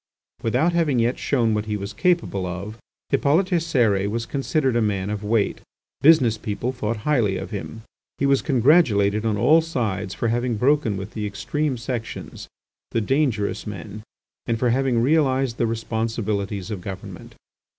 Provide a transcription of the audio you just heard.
Without having yet shown what he was capable of, Hippolyte Cérès was considered a man of weight. Business people thought highly of him. He was congratulated on all sides for having broken with the extreme sections, the dangerous men, and for having realised the responsibilities of government.